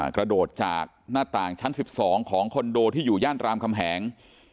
กระโดดจากหน้าต่างชั้น๑๒ของคอนโดที่อยู่ย่านรามคำแหง